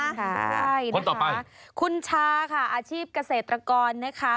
ใช่นะคะคุณชาค่ะอาชีพเกษตรกรนะคะ